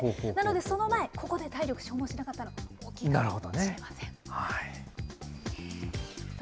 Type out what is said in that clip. なので、その前、ここで体力消耗しなかったの大きいかもしれませんね。